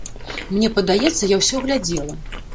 Мне падаецца, я ўсе глядзела.